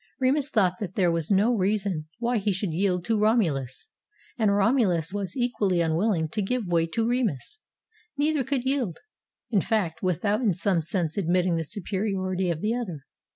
Remus thought that there was no reason why he should yield to Romulus, and Romulus was equally unwilling to give way to Remus. Neither could yield, in fact, without in some sense admitting the su periority of the other.